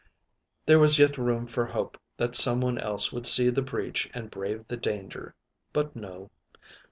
There was yet room for hope that some one else would see the breach and brave the danger. But no.